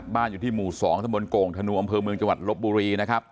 อยู่ที่หมู่๒ตะบนโก่งธนูอำเภอเมืองจังหวัดลบบุรีนะครับ